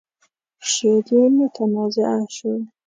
شعر يې متنازعه شو.